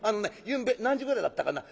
ゆんべ何時ぐらいだったかな？